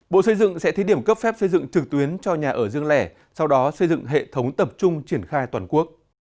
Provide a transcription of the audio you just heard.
bộ xây dựng sẽ thí điểm cấp phép xây dựng trực tuyến cho nhà ở riêng lẻ sau đó xây dựng hệ thống tập trung triển khai toàn quốc